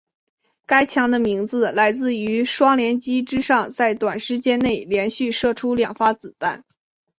该枪的名字来自于双连击之上在短时间内连续射出两发子弹。